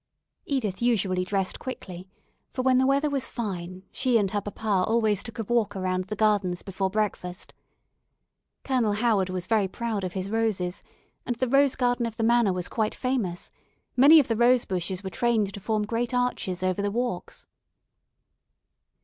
Edith usually dressed quickly, for, when the weather was fine, she and her papa always took a walk around the gardens before breakfast. Colonel Howard was very proud of his roses, and the rose garden of the manor was quite famous; many of the rose bushes were trained to form great arches over the walks.